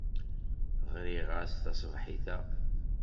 Ɣriɣ-as taṣebḥit-a.